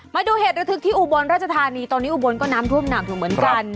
มาดูเหตุระทึกที่อุบลราชธานีตอนนี้อุบลก็น้ำท่วมหนักอยู่เหมือนกัน